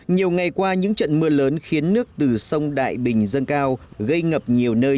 nhiều ngày qua những trận mưa lớn khiến nước từ sông đại bình dâng cao gây ngập nhiều nơi